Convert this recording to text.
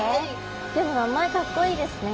でも名前かっこいいですね。